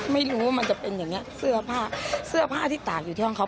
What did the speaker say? ไม่รู้ว่ามันจะเป็นอย่างเงี้เสื้อผ้าเสื้อผ้าที่ตากอยู่ที่ห้องเขา